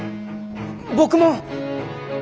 僕も。